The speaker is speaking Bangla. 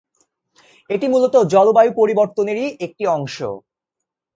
এটি মূলত জলবায়ু পরিবর্তন এরই একটি অংশ।